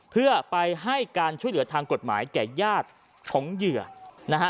เพื่อไปให้การช่วยเหลือทางกฎหมายแก่ญาติของเหยื่อนะฮะ